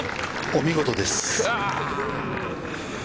◆お見事です。